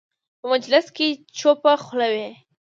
په مجلس کې چوپه خوله وي.